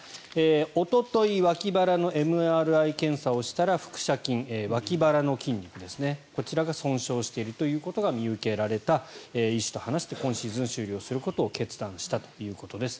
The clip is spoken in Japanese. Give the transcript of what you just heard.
おととい脇腹のＭＲＩ検査をしたら腹斜筋、脇腹の筋肉ですねこちらが損傷しているということが見受けられた医師と話して今シーズン終了することを決断したということです。